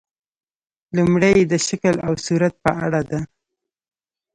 لومړۍ یې د شکل او صورت په اړه ده.